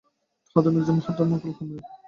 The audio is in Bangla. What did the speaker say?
হ্যাঁ, তুমি একজন মহান দমকলকর্মী হবে।